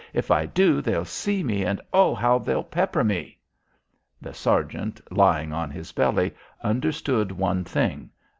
"If I do they'll see me, and oh, how they'll pepper me!" The sergeant lying on his belly, understood one thing.